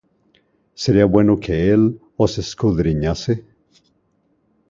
¿Sería bueno que él os escudriñase?